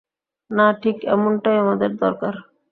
না, ঠিক এমনটাই আমাদের দরকার।